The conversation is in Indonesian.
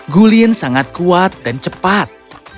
gulin sangat kuat dan cepat